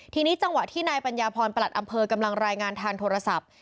ทีนี้จังหวะที่นายปัญญาพรประหลัดอำเภอกำลังรายงานทางโทรศัพท์